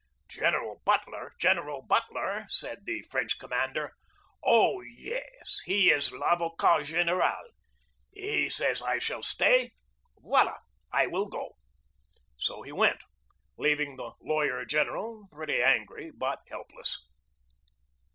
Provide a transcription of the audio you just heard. "General Butler? General Butler?" said the French commander. "Oh, yes! He is ravocat general. He says I shall stay? Foila, I will go!" So he went, leaving the "lawyer general" pretty angry but helpless.